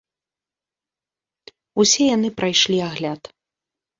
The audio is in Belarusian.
Усе яны прайшлі агляд.